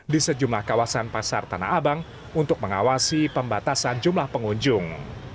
di sejumlah kawasan pasar tanah abang untuk mengawasi pembatasan jumlah pengunjung